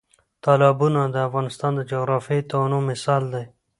تالابونه د افغانستان د جغرافیوي تنوع مثال دی.